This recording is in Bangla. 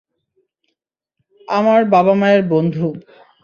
আমার বাবা-মায়ের বন্ধু।